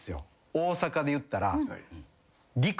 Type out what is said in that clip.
大阪で言ったら。